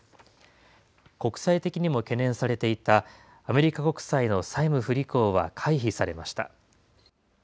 国際的にも懸念されていたアメリカ国債の債務不履行は回避されました。